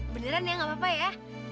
beneran ya nggak apa apa ya